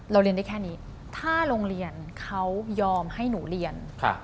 เรียนได้แค่นี้ถ้าโรงเรียนเขายอมให้หนูเรียน